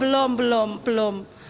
belum belum belum